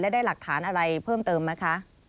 ได้หลักฐานอะไรเพิ่มเติมไหมคะ